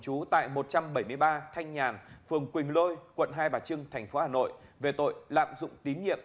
trú tại một trăm bảy mươi ba thanh nhàn phường quỳnh lôi quận hai bà trưng tp hà nội về tội lạm dụng tín nhiệm